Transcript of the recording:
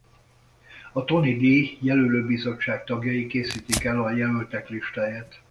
A Tony-díj Jelölő Bizottság tagjai készítik el a jelöltek listáját.